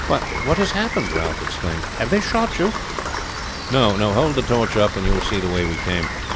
"What has happened?" Ralph exclaimed. "Have they shot you?" "No. Hold the torch up and you will see the way we came."